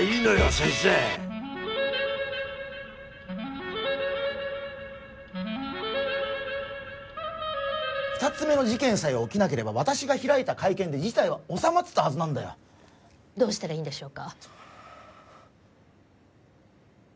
先生２つ目の事件さえ起きなければ私が開いた会見で事態は収まってたはずなんだよどうしたらいいんでしょうか？